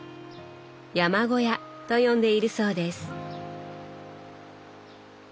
「山小屋」と呼んでいるそうです。